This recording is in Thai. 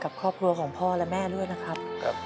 กับครอบครัวของพ่อและแม่ด้วยนะครับ